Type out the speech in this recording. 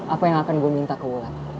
apa yang akan gue minta ke wulan